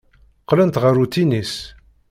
Qqlent ɣer utinis.